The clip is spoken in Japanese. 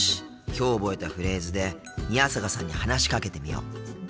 きょう覚えたフレーズで宮坂さんに話しかけてみよう。